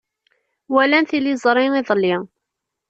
Walan tiliẓri iḍelli.